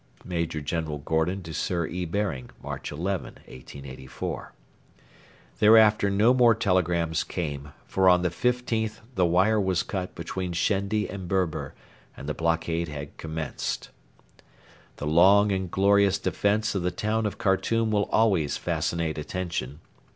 [Major General Gordon to Sir E. Baring, March 11, 1884.] Thereafter no more telegrams came, for on the 15th the wire was cut between Shendi and Berber, and the blockade had commenced. The long and glorious defence of the town of Khartoum will always fascinate attention.